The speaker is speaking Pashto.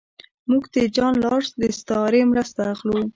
موږ د جان رالز د استعارې مرسته اخلو.